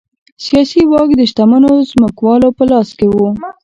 سیاسي واک د شتمنو ځمکوالو په لاس کې و